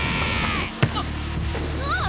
あっ。